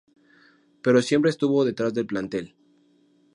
Pero siempre estuvo detrás del plantel.